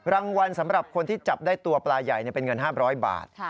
รางวัลสำหรับคนที่จับได้ตัวปลาใหญ่เป็นเงิน๕๐๐บาท